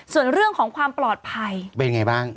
ส่วนเรื่องของความปลอดภัยเป็นไงบ้าง